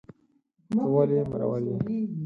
ته ولي مرور یې